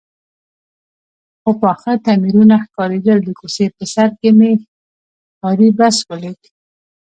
څو پاخه تعمیرونه ښکارېدل، د کوڅې په سر کې مې ښاري بس ولید.